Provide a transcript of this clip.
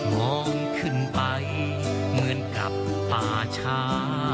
มองขึ้นไปเหมือนกับป่าช้า